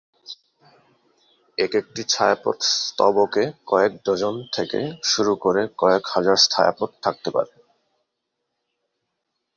একেকটি ছায়াপথ-স্তবকে কয়েক ডজন থেকে শুরু করে কয়েক হাজার ছায়াপথ থাকতে পারে।